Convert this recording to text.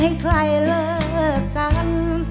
ให้ใครเลิกกัน